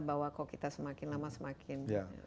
bahwa kok kita semakin lama semakin